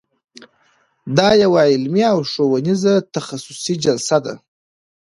دا یوه علمي او ښوونیزه تخصصي جلسه ده.